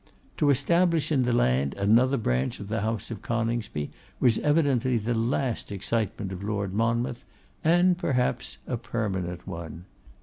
To establish in the land another branch of the house of Coningsby was evidently the last excitement of Lord Monmouth, and perhaps a permanent one.